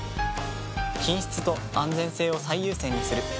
品質と安全性を最優先にする。